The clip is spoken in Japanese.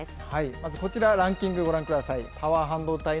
まず、こちらランキングご覧ください。